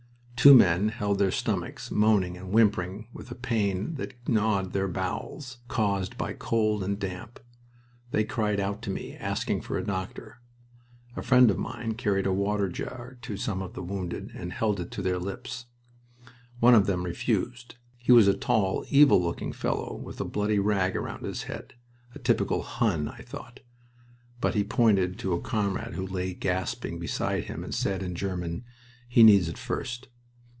Two men held their stomachs, moaning and whimpering with a pain that gnawed their bowels, caused by cold and damp. They cried out to me, asking for a doctor. A friend of mine carried a water jar to some of the wounded and held it to their lips. One of them refused. He was a tall, evil looking fellow, with a bloody rag round his head a typical "Hun," I thought. But he pointed to a comrade who lay gasping beside him and said, in German, "He needs it first."